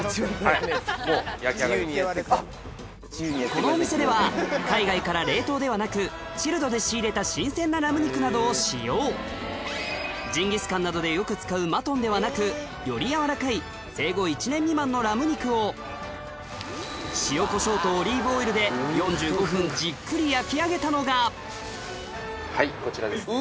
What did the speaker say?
このお店では海外から冷凍ではなくジンギスカンなどでよく使うマトンではなくより軟らかい生後１年未満のラム肉を塩コショウとオリーブオイルで４５分じっくり焼き上げたのがはいこちらですね。